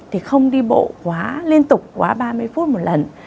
thì không đi bộ quá liên tục quá ba mươi phút một lần